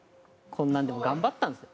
こんなんでも頑張ったんですよ。